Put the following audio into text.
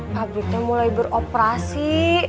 pabriknya mulai beroperasi